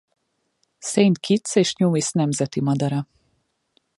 Saint Kitts és Nevis nemzeti madara.